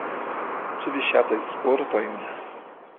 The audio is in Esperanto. Ĉu vi ŝatas sportojn?